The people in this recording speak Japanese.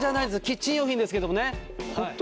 キッチン用品ですけどもね。